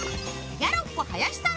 ギャロップ林さん